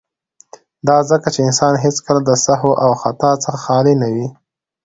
، دا ځکه چې انسان هيڅکله د سهو او خطا څخه خالي نه وي.